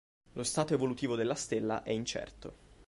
Lo stato evolutivo della stella è incerto.